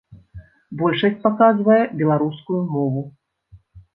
Большасць паказвае беларускую мову.